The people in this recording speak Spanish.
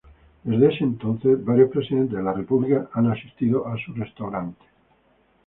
Desde ese entonces, varios presidentes de la república han asistido a su restaurante.